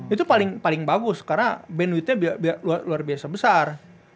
itu paling bagus karena bandwidnya luar biasa besar